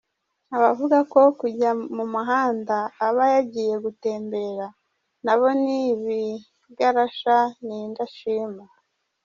Abavuga ko kujya mu mahanga aba yagiye gutembera nabo ni ibiogarasha ni indashima.